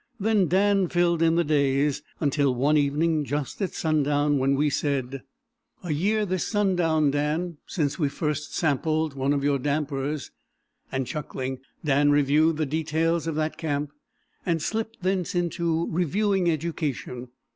Then Dan filled in the days, until one evening just at sundown, when we said: "A year this sundown, Dan, since we first sampled one of your dampers," and, chuckling, Dan reviewed the details of that camp, and slipped thence into reviewing education.